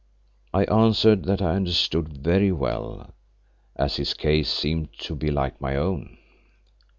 I answered that I understood very well, as his case seemed to be like my own.